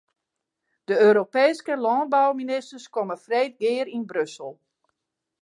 De Europeeske lânbouministers komme freed gear yn Brussel.